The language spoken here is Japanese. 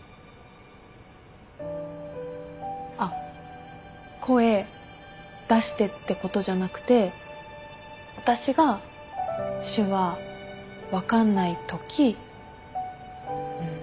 あっ声出してってことじゃなくて私が手話分かんないときうん。